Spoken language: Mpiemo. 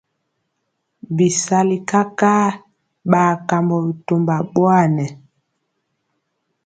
Bisali kakaa ɓa kambɔ bitomba ɓowanɛ.